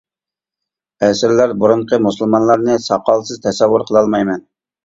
ئەسىرلەر بۇرۇنقى مۇسۇلمانلارنى ساقالسىز تەسەۋۋۇر قىلالمايمەن.